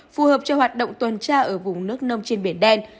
phù hợp cho hoạt động tuần tra ở vùng nước nông trên biển đen